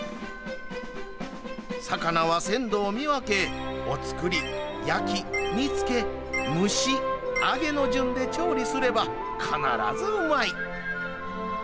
魚は鮮度を見分けお造り、焼き、煮つけ蒸し、揚げの順で調理すれば必ずうまい。